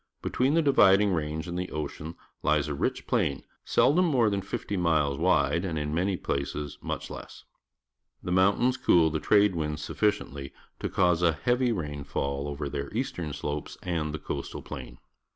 Be tween the Dividing Range and the ocean lies a rich plain, seldom more than fifty g ules wide a nd in many places much less. The jnountains. cool Jhe trade winds suffi ciently to cause a heavy rainfall over their eastern slopes and the coastal plain.